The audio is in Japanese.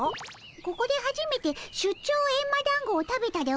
ここではじめて出張エンマだんごを食べたでおじゃる。